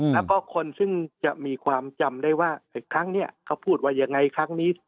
แล้วก็คนซึ่งจะมีความจำได้ว่าครั้งนี้เขาพูดว่ายังไงครั้งนี้